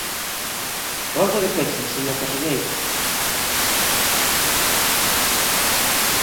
Rolda de peche, señor conselleiro.